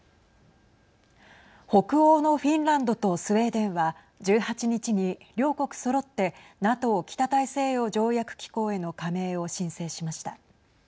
北欧のフィンランドとスウェーデンは１８日に両国そろってＮＡＴＯ＝北大西洋条約機構への加盟を申請しました。